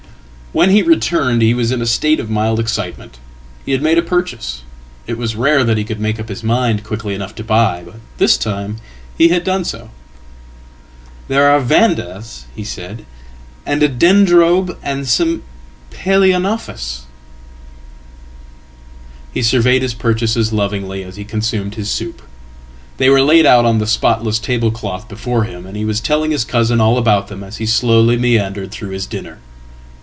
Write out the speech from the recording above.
"When he returned he was in a state of mild excitement. He had made apurchase. It was rare that he could make up his mind quickly enough tobuy, but this time he had done so."There are Vandas," he said, "and a Dendrobe and some Palaeonophis." Hesurveyed his purchases lovingly as he consumed his soup. They were laidout on the spotless tablecloth before him, and he was telling his cousinall about them as he slowly meandered through his dinner.